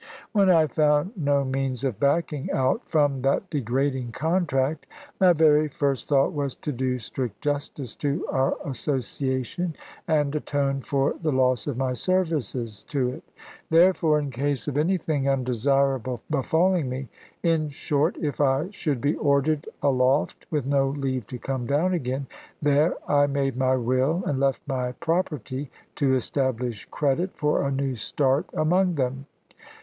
When I found no means of backing out from that degrading contract, my very first thought was to do strict justice to our association, and atone for the loss of my services to it. Therefore, in case of anything undesirable befalling me in short, if I should be ordered aloft with no leave to come down again there I made my will, and left my property to establish credit, for a new start among them.